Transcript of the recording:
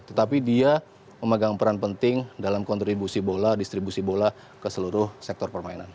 tetapi dia memegang peran penting dalam kontribusi bola distribusi bola ke seluruh sektor permainan